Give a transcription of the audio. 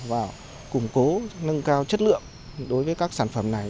và củng cố nâng cao chất lượng đối với các sản phẩm này